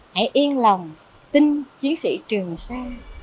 hãy yên lòng tin chiến sĩ trường xa